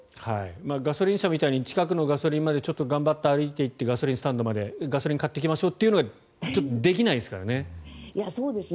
ガソリン車みたいに近くのガソリンスタンドまで頑張って歩いていってガソリンを買ってきましょうというのはできないですからね。